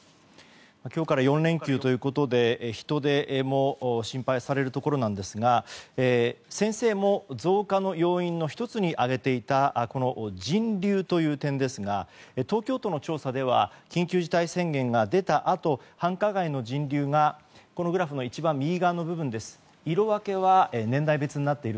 今日から４連休ということで人出も心配されるところですが先生も増加の要因の１つに挙げていた人流という点ですが東京都の調査では緊急事態宣言が出たあと繁華街の人流がこのグラフの一番右側です。